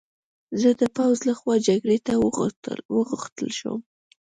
زه د پوځ له خوا جګړې ته وغوښتل شوم